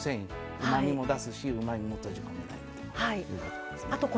うまみも出すしうまみも閉じ込めないということですね。